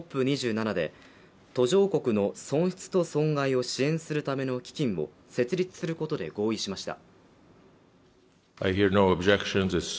ＣＯＰ２７で途上国の損失と損害を支援するための基金を設立することで合意しました。